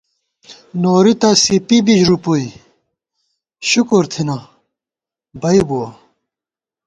نوری تہ سی پی بی ݫُپُوئی ، شکُر تھنہ بئ بُوَہ